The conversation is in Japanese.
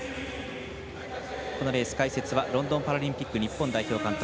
このレース解説はロンドンパラリンピック監督